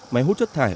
máy hút chất thải